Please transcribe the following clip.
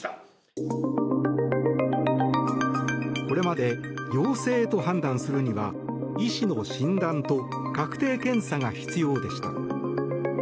これまで陽性と判断するには医師の診断と確定検査が必要でした。